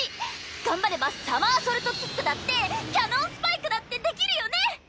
頑張ればサマーソルトキックだってキャノンスパイクだってできるよね！